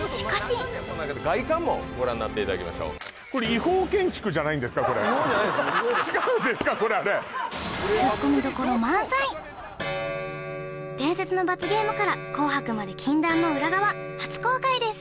外観もご覧になっていただきましょう違うんですか伝説の罰ゲームから「紅白」まで禁断の裏側初公開です